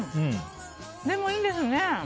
でも、いいですね。